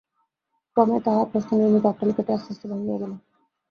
ক্রমে তাঁহার প্রস্তরনির্মিত অট্টালিকাটি আস্তে আস্তে ভাঙিয়া গেল।